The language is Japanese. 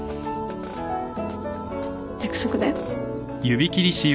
約束だよ。